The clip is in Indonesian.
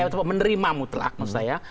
atau menerima mutlak maksud saya